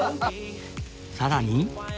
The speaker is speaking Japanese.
さらに